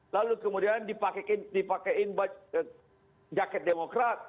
lalu kemudian dipakaiin jaket demokrat